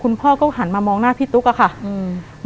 พ่อก็หันมามองหน้าพี่ตุ๊กอะค่ะอืม